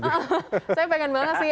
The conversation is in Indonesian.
saya pengen banget sih